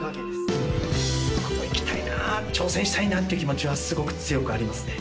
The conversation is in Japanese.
行きたいなぁ挑戦したいなって気持ちはすごく強くありますね。